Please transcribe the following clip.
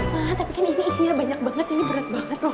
nah tapi kan ini isinya banyak banget ini berat banget